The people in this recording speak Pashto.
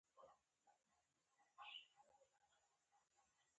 مالیه د دولتي پروژو لپاره لګول کېږي.